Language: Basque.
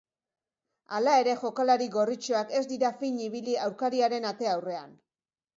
Hala ere, jokalari gorritxoak ez dira fin ibili aurkariaren ate aurrean.